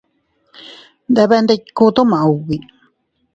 Ndebendikutuu maubi.